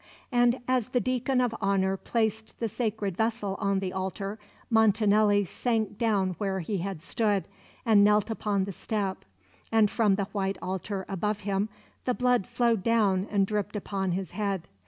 And as the deacon of honour placed the sacred vessel on the altar, Montanelli sank down where he had stood, and knelt upon the step; and from the white altar above him the blood flowed down and dripped upon his head.